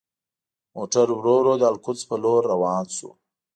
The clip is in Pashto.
موټر ورو ورو د القدس په لور روان شو.